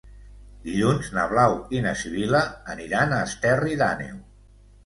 Dilluns na Blau i na Sibil·la aniran a Esterri d'Àneu.